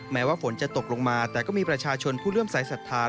แม้ว่าฝนจะตกลงมาแต่ก็มีประชาชนผู้เริ่มสายศรัทธา